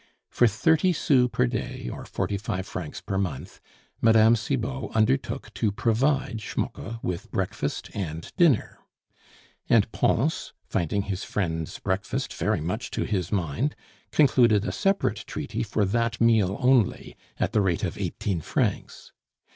For thirty sous per day, or forty five francs per month, Mme. Cibot undertook to provide Schmucke with breakfast and dinner; and Pons, finding his friend's breakfast very much to his mind, concluded a separate treaty for that meal only at the rate of eighteen francs.